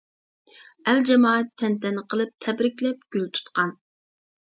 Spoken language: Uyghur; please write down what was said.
ئەل-جامائەت تەنتەنە قىلىپ، تەبرىكلەپ گۈل تۇتقان.